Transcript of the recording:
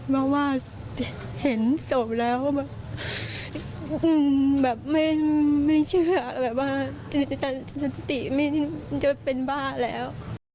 เพราะว่าเห็นศพแล้วว่าแบบไม่เชื่อแบบว่าสติไม่ได้เป็นบ้าแล้ว